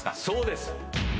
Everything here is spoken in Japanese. そうです。